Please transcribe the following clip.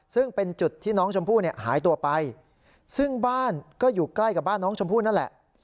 ซึ่งเป็นจุดที่น้องชมพู่เนี่ยหายตัวไปซึ่งบ้านก็อยู่ใกล้กับบ้านน้องชมพู่นั่นแหละ